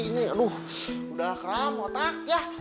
ini aduh udah kram otak ya